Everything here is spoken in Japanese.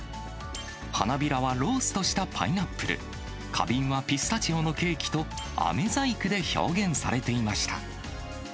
花びらはローストしたパイナップル、花瓶はピスタチオのケーキとあめ細工で表現されていました。